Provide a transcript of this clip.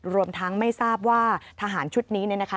รวมทั้งไม่ทราบว่าทหารชุดนี้เนี่ยนะคะ